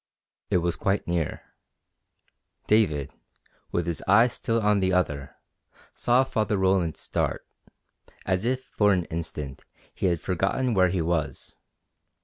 It was quite near. David, with his eyes still on the other, saw Father Roland start, as if for an instant he had forgotten where he was.